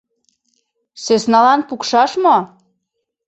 Сӧсналан пукшаш мо?